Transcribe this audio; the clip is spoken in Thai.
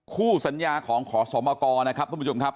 คู่สัญญาของขอสมกรนะครับทุกผู้ชมครับ